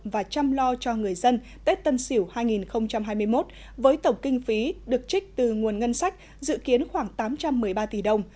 và chăm lo cho người dân tết tân sỉu hai nghìn hai mươi một với tổng kinh phí được trích từ nguồn ngân sách dự kiến khoảng tám trăm một mươi ba tỷ đồng